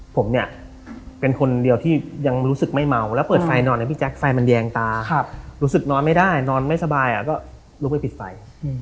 ผมเนี่ยเป็นคนเดียวที่ยังรู้สึกไม่เมาแล้วเปิดไฟนอนนะพี่แจ๊คไฟมันแยงตารู้สึกนอนไม่ได้นอนไม่สบายก็ลุกไปปิดไฟ